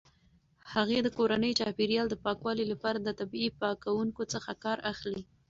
هغې د کورني چاپیریال د پاکوالي لپاره د طبیعي پاکونکو څخه کار اخلي.